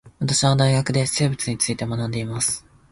私は大学で生物について学んでいます